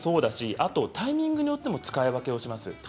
あとタイミングによっても使い分けをします。